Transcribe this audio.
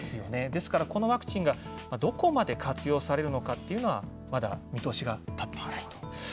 ですからこのワクチンがどこまで活用されるのかっていうのは、まだ見通しが立っていないと。